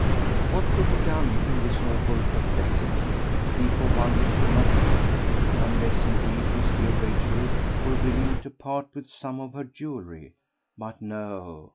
What could be done in this awful perplexity he for one could not think, unless indeed his dear Rachel were willing to part with some of her jewellery; but no!